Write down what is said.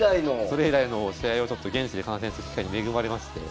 それ以来の試合を現地で観戦する機会に恵まれまして。